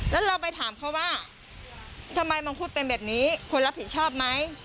แล้วเราไปถามเขาว่าทำไมมังคุดเป็นแบบนี้ควรรับผิดชอบไหม